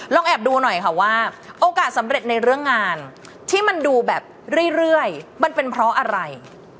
แอบดูหน่อยค่ะว่าโอกาสสำเร็จในเรื่องงานที่มันดูแบบเรื่อยมันเป็นเพราะอะไร